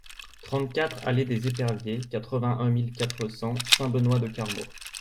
trente-quatre allée des Eperviers, quatre-vingt-un mille quatre cents Saint-Benoît-de-Carmaux